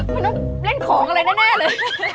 ไม่ต้องเล่นของอะไรแน่เลย